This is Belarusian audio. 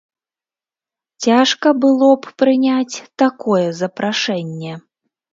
Цяжка было б прыняць такое запрашэнне.